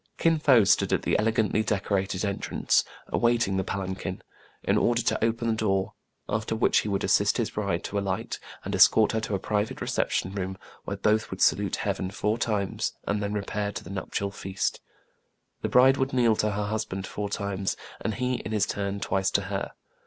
Kin Fo stood at the elegantly decorated en trance, awaiting the palanquin, in order to open the door, after which he would assist his bride to alight, and escort her to a private reception room, where both would salute heaven four times, and then repair to the nuptial feast. The bride would kneel to her husband four times, and he, in his turn, twice to her.